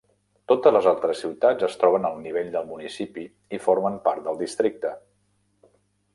Totes les altres ciutats es troben al nivell del municipi i formen part del districte.